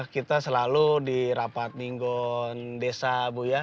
kita selalu di rapat ninggon desa bu ya